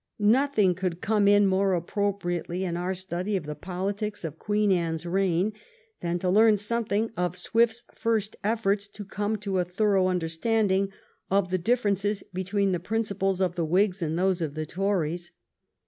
Nothing could come in more appropriately in our study of the politics of Queen Anne's reign than to learn something of Swift's first efforts to come to a thorough understanding of the difference between the principles of the Whigs and those of the Tories.